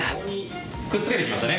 くっつけてきましたね